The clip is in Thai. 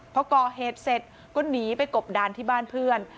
พอก่อเหตุเสร็จก็หนีไปกบดานที่บ้านเพื่อน